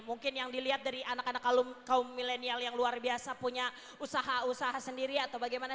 mungkin yang dilihat dari anak anak kaum milenial yang luar biasa punya usaha usaha sendiri atau bagaimana